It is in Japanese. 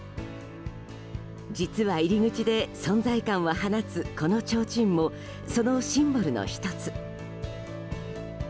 実は入り口で存在感を放つこのちょうちんもそのシンボルの１つ。